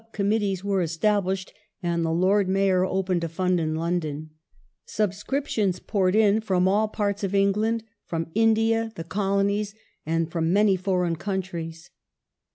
THE RULE OF LORD PALMERSTON [1860 sub committees were established, and the Lord Mayor opened a fund in London. Subscriptions poured in from all parts of Eng land, from India, the Colonies, and from many foreign countries.